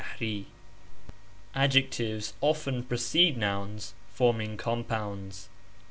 Adjectives often precede nouns, forming compounds.